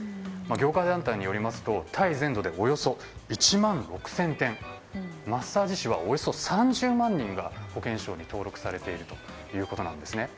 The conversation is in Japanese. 業界団体によりますとタイ全土でおよそ１万６０００店マッサージ師はおよそ３０万人が保健省に登録されているということなんです。